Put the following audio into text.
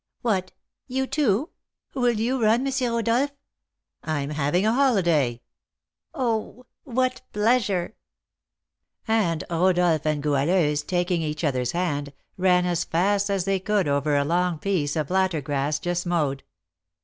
"What! You, too? Will you run, M. Rodolph?" "I'm having a holiday." "Oh! What pleasure!" And Rodolph and Goualeuse, taking each other's hand, ran as fast as they could over a long piece of latter grass, just mowed.